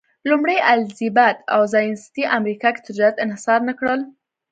لومړۍ الیزابت او ځایناستي امریکا کې تجارت انحصار نه کړل.